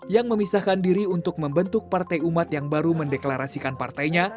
yang memisahkan diri untuk membentuk partai umat yang baru mendeklarasikan partainya